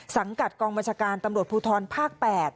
สังกัดกองบัญชาการตำรวจภูทรภาค๘